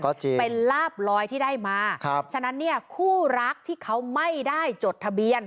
เป็นลาบรอยที่ได้มาฉะนั้นคู่รักที่เขาไม่ได้จดทะเบียน